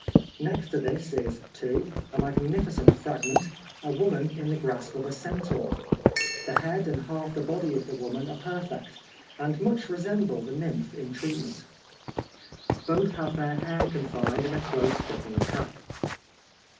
Next to this is (2) a magnificent fragment — a woman in the grasp of a centaur. The head and half the body of the woman are perfect, and much resemble the nymph in treatment. 1878.] A Ride across the Peloponnese. 555 Both have their hair confined in a close fitting cap.